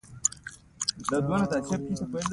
غوړي مې په کټوۍ کښې ور واچول